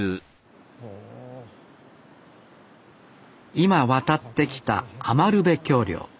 今渡ってきた余部橋梁。